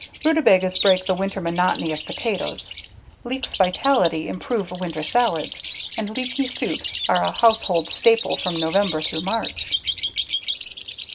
Rutabagas break the winter monotony of potatoes; leeks vitally improve winter salads, and leeky soups are a household staple from November through March.